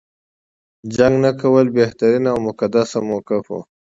جنګ نه کول بهترین او مقدس موقف و.